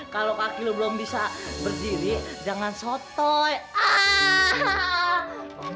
kalo kaki lo belum bisa berdiri jangan sotol